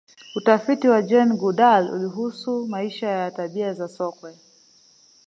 utafiti wa jane goodal ulihusu maisha na tabia za sokwe